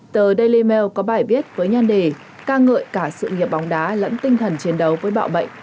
tờ daily mail có bài viết với nhan đề ca ngợi cả sự nghiệp bóng đá lẫn tinh thần chiến đấu với bạo bệnh